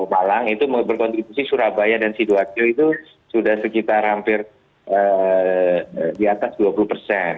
malang itu berkontribusi surabaya dan sidoarjo itu sudah sekitar hampir di atas dua puluh persen